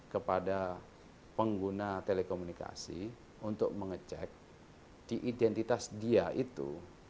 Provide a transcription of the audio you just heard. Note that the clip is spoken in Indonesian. kepada pengguna telekomunikasi untuk mengecek di identitas dia itu